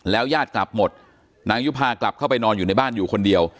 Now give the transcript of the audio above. ญาติกลับหมดนางยุภากลับเข้าไปนอนอยู่ในบ้านอยู่คนเดียว